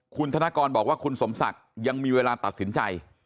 คุณธนกรบอกว่าคุณสมศักดิ์ยังมีเวลาตัดสินใจ